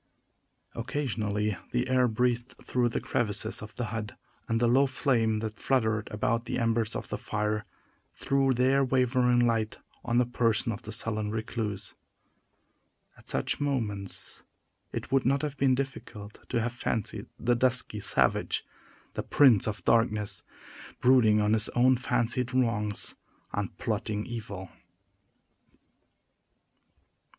Occasionally the air breathed through the crevices of the hut, and the low flame that fluttered about the embers of the fire threw their wavering light on the person of the sullen recluse. At such moments it would not have been difficult to have fancied the dusky savage the Prince of Darkness brooding on his own fancied wrongs, and plotting evil.